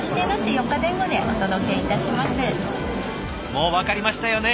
もう分かりましたよね？